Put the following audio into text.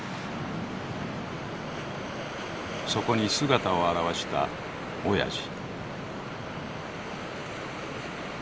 そこに姿を現したおやじ。